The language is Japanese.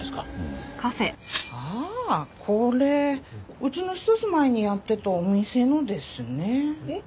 ああこれうちの一つ前にやってたお店のですね。